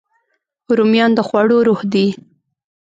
رومیان د خوړو روح دي